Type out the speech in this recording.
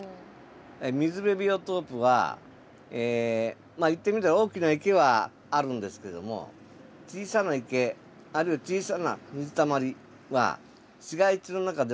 水辺ビオトープは言ってみれば大きな池はあるんですけども小さな池あるいは小さな水たまりはないよね？